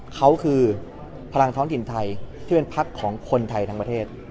เขาคือพลังท้องถิ่นไทยที่เป็นพักของคนไทยทั้งประเทศ